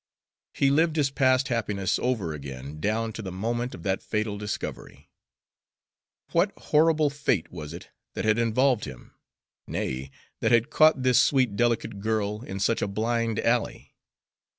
He lived his past happiness over again down to the moment of that fatal discovery. What horrible fate was it that had involved him nay, that had caught this sweet delicate girl in such a blind alley?